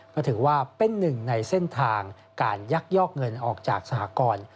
ก็ถือว่าเป็นหนึ่งในเส้นทางการยักยอกเงินออกจากสหกร